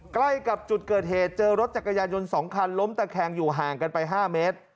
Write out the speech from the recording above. ใกล้กับจุดเกิดเหตุเจอรถจักรยานยนต์๒คันล้มตะแคงอยู่ห่างกันไป๕เมตร